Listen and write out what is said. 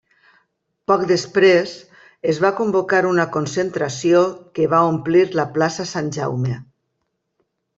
Poc després, es va convocar una concentració que va omplir la plaça Sant Jaume.